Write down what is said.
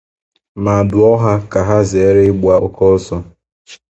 ma dụọ ha ka ha zèére ịgba oke ọsọ.